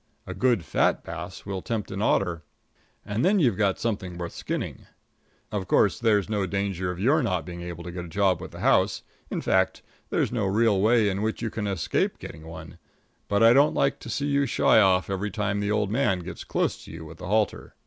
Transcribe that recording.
A good fat bass will tempt an otter, and then you've got something worth skinning. Of course, there's no danger of your not being able to get a job with the house in fact, there is no real way in which you can escape getting one; but I don't like to see you shy off every time the old man gets close to you with the halter.